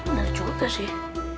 udah cukup ya sih